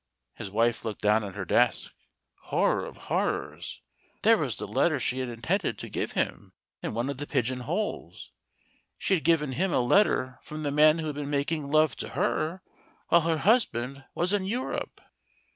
His wife looked down at her desk. Horror of hor¬ rors! There was the letter she had intended to give him in one of the pigeon holes. She had given him a letter from the man who had been making love to her while her husband was in Europe!